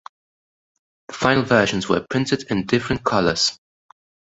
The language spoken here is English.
The final versions were printed in different colours.